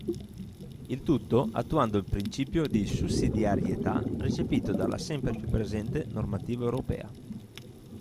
Il tutto attuando il principio di sussidiarietà recepito dalla sempre più presente normativa europea.